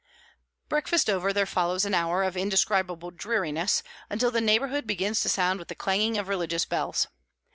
Breakfast over, there follows an hour of indescribable dreariness, until the neighbourhood begins to sound with the clanging of religious bells.